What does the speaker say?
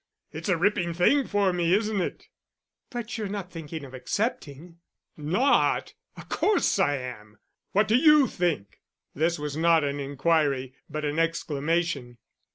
"It's a ripping thing for me, isn't it?" "But you're not thinking of accepting?" "Not? Of course I am. What do you think!" This was not an inquiry, but an exclamation.